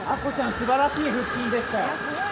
すばらしい腹筋でした。